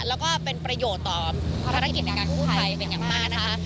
และก็เป็นประโยชน์ต่อธนกิจการคู่ไทยเป็นอย่างมากนะค่ะ